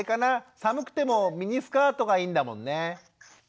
寒くてもミニスカートがいいんだもんね。